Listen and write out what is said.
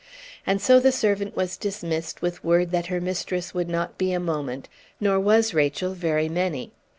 And so the servant was dismissed with word that her mistress would not be a moment; nor was Rachel very many.